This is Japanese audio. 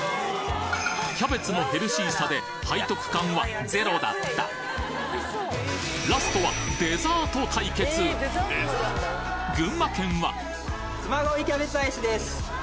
キャベツのヘルシーさで背徳感はゼロだったラストは群馬県はつまごいキャベツアイスです。